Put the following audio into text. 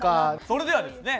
それではですね